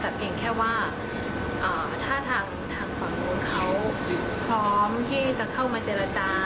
แต่เพียงแค่ว่าถ้าทางฝั่งนู้นเขาพร้อมที่จะเข้ามาเจรจา